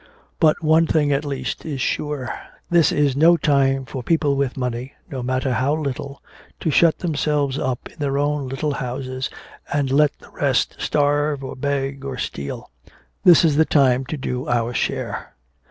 But one thing at least is sure. This is no time for people with money no matter how little to shut themselves up in their own little houses and let the rest starve or beg or steal. This is the time to do our share."